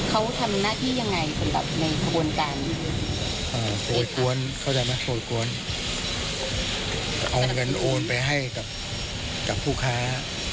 เอามงานโอนไปให้กับผู้ค้า